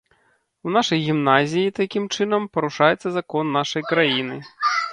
У нашай гімназіі, такім чынам, парушаецца закон нашай краіны.